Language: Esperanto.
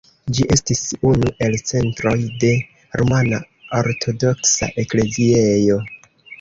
Ĝi estis unu el centroj de rumana ortodoksa ekleziejo.